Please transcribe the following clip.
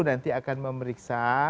nanti akan memeriksa